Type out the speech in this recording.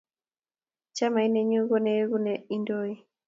chamiet nenyun ko nengu ne indoi